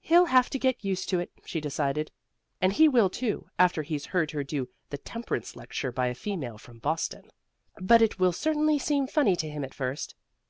"He'll have to get used to it," she decided, "and he will, too, after he's heard her do 'the temperance lecture by a female from Boston.' But it will certainly seem funny to him at first.